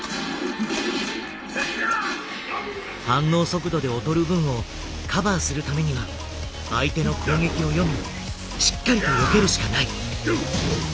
反応速度で劣る分をカバーするためには相手の攻撃を読みしっかりとよけるしかない。